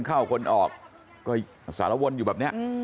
สวัสดีครับคุณผู้ชาย